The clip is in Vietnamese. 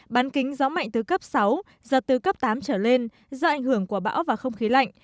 bán kính gió mạnh từ cấp sáu giật từ cấp tám trở lên do ảnh hưởng của bão và không khí lạnh